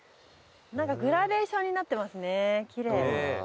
何かグラデーションになってますね奇麗。